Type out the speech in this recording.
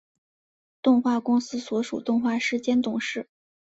动画公司所属动画师兼董事。